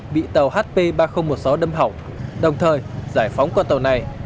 bị tàu hp ba nghìn một mươi sáu đâm hỏng đồng thời giải phóng con tàu này